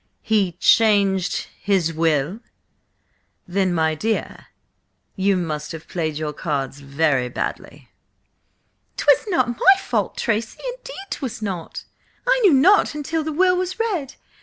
"He–changed–his–will! Then, my dear, must you have played your cards very badly!" "'Twas not my fault, Tracy–indeed 'twas not! I knew nought until the will was read.